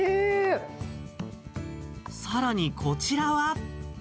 さらにこちらは。